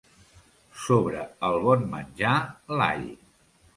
Sobre el bon menjar, l'all.